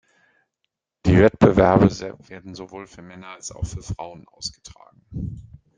Die Wettbewerbe werden sowohl für Männer als auch für Frauen ausgetragen.